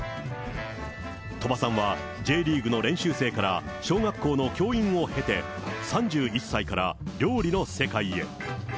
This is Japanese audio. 鳥羽さんは、Ｊリーグの練習生から小学校の教員を経て、３１歳から料理の世界へ。